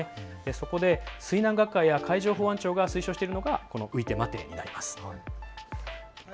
そこで水難学会や海上保安庁が推奨しているのが浮いて待てです。